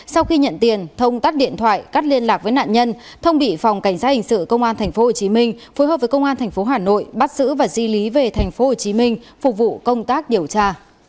sau khi nhận tiền thông tắt điện thoại cắt liên lạc với nạn nhân thông bị phòng cảnh sát hình sự công an tp hồ chí minh phối hợp với công an tp hà nội bắt giữ và di lý về tp hồ chí minh phục vụ công tác điều tra